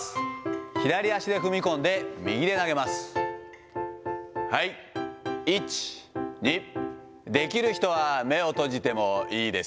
左足で踏み込んで、右で投げます。